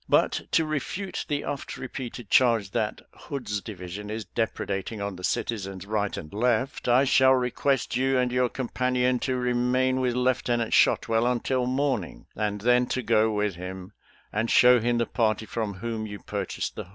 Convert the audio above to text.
But to refute the oft repeated charge that Hood's division is depredating on the citizens, right and left, I shall request you and your companion to remain with Lieutenant Shotwell until morning, and then to go with him and show him the party from whom you purchased the hog."